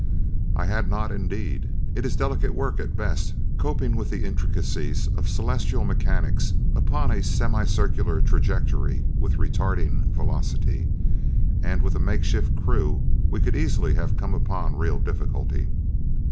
I had not, indeed. It is delicate work at best, coping with the intricacies of celestial mechanics upon a semicircular trajectory with retarding velocity, and with a makeshift crew we could easily have come upon real difficulty.